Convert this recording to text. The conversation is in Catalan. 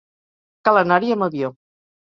Cal anar-hi amb avió.